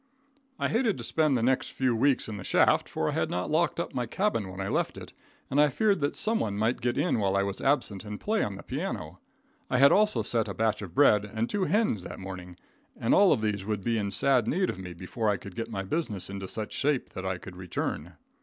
I hated to spend the next few weeks in the shaft, for I had not locked up my cabin when I left it, and I feared that someone might get in while I was absent and play on the piano. I had also set a batch of bread and two hens that morning, and all of these would be in sad knead of me before I could get my business into such shape that I could return.